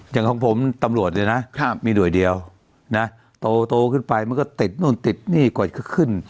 อย่างของผมตำรวจเลยนะมีหน่วยเดียวนะโตขึ้นไปมันก็ติดนู่นติดนี่กว่าจะขึ้น